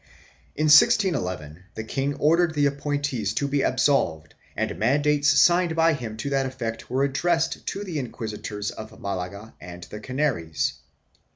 In 1611 the king ordered the appointees to be absolved and mandates signed by him to that effect were addressed to the inquisitors of Malaga and the Canaries.